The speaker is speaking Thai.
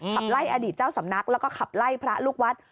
ขับไล่อดีตเจ้าสำนักแล้วก็ขับไล่พระลูกวัด